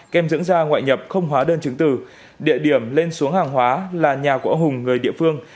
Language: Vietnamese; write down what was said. kem dưỡng da ngoại nhập không hóa đơn chứng từ địa điểm lên xuống hàng hóa là nhà của ông hùng người địa phương